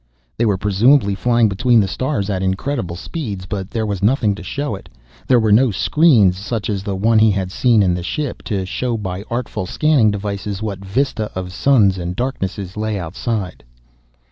They were, presumably, flying between the stars at incredible speeds but there was nothing to show it. There were no screens such as the one he had seen in the ship, to show by artful scanning devices what vista of suns and darknesses lay outside.